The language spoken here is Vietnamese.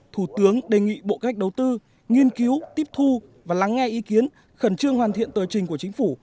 thủ tướng đề nghị bộ cách đầu tư nghiên cứu tiếp thu và lắng nghe ý kiến khẩn trương hoàn thiện tờ trình của chính phủ